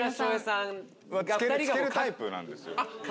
つけるタイプなんですよ。